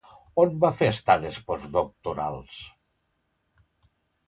On va fer estades postdoctorals?